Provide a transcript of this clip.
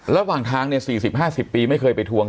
ระหว่างทาง๔๐๕๐ปีไม่เคยไปทวง